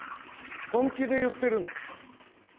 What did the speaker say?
本気で言ってるの？